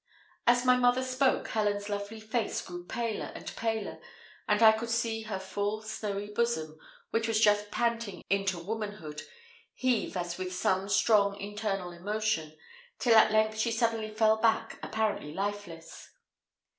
As my mother spoke, Helen's lovely face grew paler and paler, and I could see her full snowy bosom, which was just panting into womanhood, heave as with some strong internal emotion, till at length she suddenly fell back, apparently lifeless.